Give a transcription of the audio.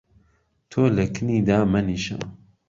تۆ له کنی دامهنیشه